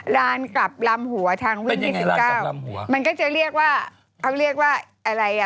ลานกลับลำหัวทางวิ่งยี่สิบเก้าหัวมันก็จะเรียกว่าเขาเรียกว่าอะไรอ่ะ